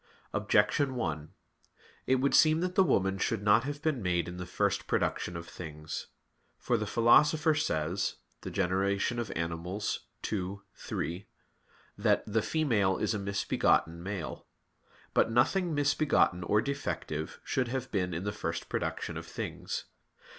Objection 1: It would seem that the woman should not have been made in the first production of things. For the Philosopher says (De Gener. ii, 3), that "the female is a misbegotten male." But nothing misbegotten or defective should have been in the first production of things.